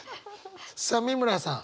さあ美村さん